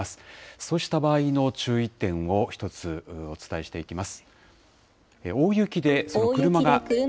そうした場合の注意点を一つ、お伝えしていきます。